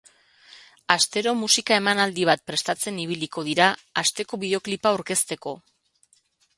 Astero musika emanaldi bat prestatzen ibiliko dira, asteko bideoklipa aurkezteko.